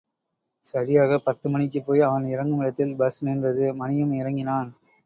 சரியாகப் பத்து மணிக்குபோய் அவன் இறங்குமிடத்தில் பஸ் நின்றது மணியும் இறங்கினான்.